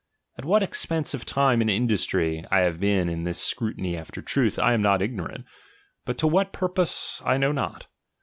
At what expense of time and industry have been in this scrutiny after truth, I am Dot ignorant ; but to what purpose, I know not.